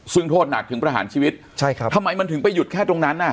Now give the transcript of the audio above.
ซึ่งโทษหนักถึงประหารชีวิตใช่ครับทำไมมันถึงไปหยุดแค่ตรงนั้นอ่ะ